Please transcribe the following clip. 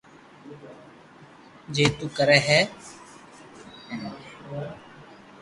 جي تو ڪري ھي